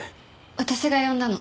私が呼んだの。